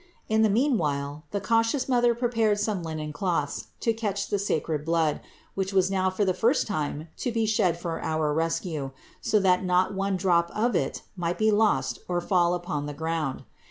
In the meanwhile the cautious Mother prepared some linen cloths to catch the sacred blood, which was now for the first time to be shed for our rescue, so that not one drop of it might be lost or fall upon the ground.